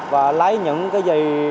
và lấy những cái gì